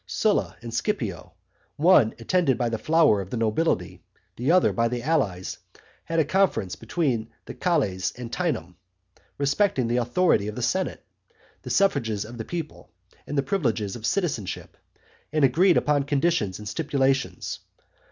Sylla and Scipio, one attended by the flower of the nobility, the other by the allies, had a conference between Cales and Teanum, respecting the authority of the senate, the suffrages of the people, and the privileges of citizenship; and agreed upon conditions and stipulations.